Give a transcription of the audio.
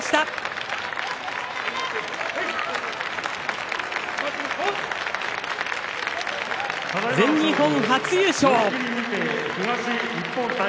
拍手全日本の初優勝。